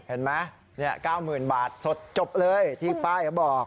เห็นไหม๙๐๐๐บาทสดจบเลยที่ป้ายเขาบอก